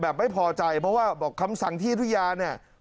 ไม่พอใจเพราะว่าบอกคำสั่งที่ยุธยาเนี่ย